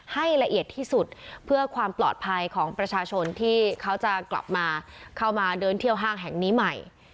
ให้ละเอียดที่สุดเพื่อความปลอดภัยของประชาชนที่เขาจะกลับมาเข้ามาเดินเที่ยวห้างแห่งนี้ใหม่